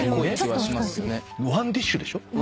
ワンディッシュでしょ。